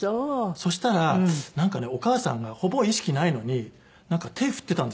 そしたらなんかねお母さんがほぼ意識ないのに手振ってたんですよ。